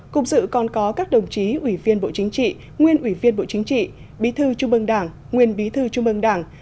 cục dự còn có các đồng chí ủy viên bộ chính trị nguyên ủy viên bộ chính trị bí thư trung ương đảng nguyên bí thư trung ương đảng